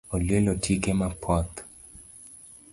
Olielo tike mapoth